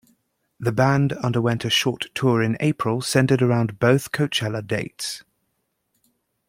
The band underwent a short tour in April centered around both Coachella dates.